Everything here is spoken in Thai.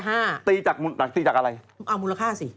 หลักตีจากอะไรเอามูลค่าสิ